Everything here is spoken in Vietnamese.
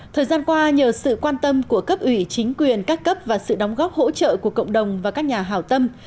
thời gian qua nhờ sự quan tâm của cấp ủy chính quyền các cấp và sự đóng góp hỗ trợ của cộng đồng và các nhà hào tâm